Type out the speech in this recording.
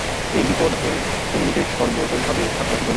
এই বিপদ হইতে নিজেকে সর্বতোভাবে সাবধান রাখিতে হইবে।